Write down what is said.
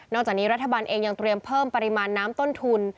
จากนี้รัฐบาลเองยังเตรียมเพิ่มปริมาณน้ำต้นทุน